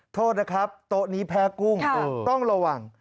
โทษนะครับโต๊ะนี้แพ้กุ้งต้องระวัง